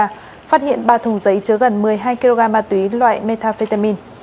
phát hiện ba thùng giấy chứa gần một mươi hai kg ma túy loại metafetamin